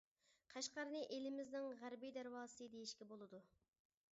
قەشقەرنى ئېلىمىزنىڭ «غەربىي دەرۋازىسى» دېيىشكە بولىدۇ.